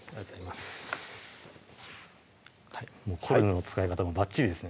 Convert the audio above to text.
もうコルヌの使い方もバッチリですね